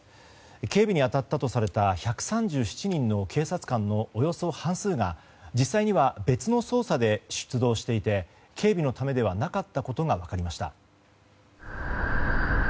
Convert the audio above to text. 警備に当たったとされた１３７人の警察官のおよそ半数が実際には別の捜査で出動していて警備のためではなかったことが分かりました。